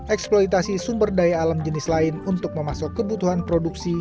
eksploitasi sumber daya alam jenis lain untuk memasuk kebutuhan produksi